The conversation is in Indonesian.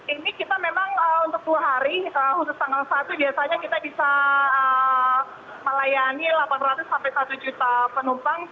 ini kita memang untuk dua hari khusus tanggal satu biasanya kita bisa melayani delapan ratus sampai satu juta penumpang